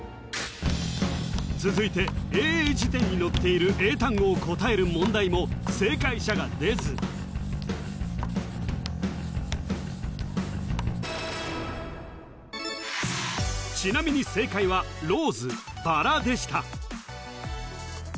続いて英英辞典に載っている英単語を答える問題も正解者が出ずちなみに正解はでした